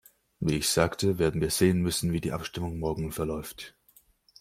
Wie ich sagte, werden wir sehen müssen, wie die Abstimmung morgen verläuft.